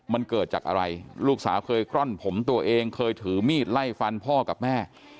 มันเกิดจากอะไรลูกสาวเคยกล้อนผมตัวเองเคยถือมีดไล่ฟันพ่อกับแม่